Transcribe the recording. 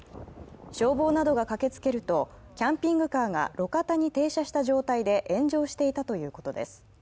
消防などが駆けつけるとキャンピングカーが路肩に停車した状態で炎上していたということです。